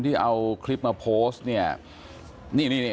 พนักงานในร้าน